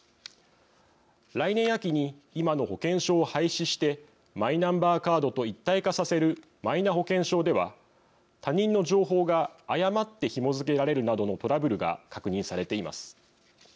来年秋に今の保険証を廃止してマイナンバーカードと一体化させるマイナ保険証では他人の情報が誤ってひも付けられるなどのトラブルが確認されています。